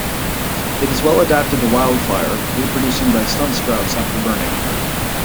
It is well adapted to wildfire, reproducing by stump sprouts after burning.